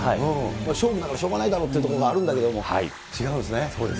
勝負だからしょうがないだろうというところがあるんだけれども、違うんですね。